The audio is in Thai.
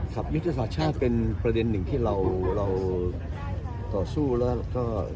ยุทธศาสตร์ชาติเป็นประเด็นหนึ่งที่เราต่อสู้แล้วก็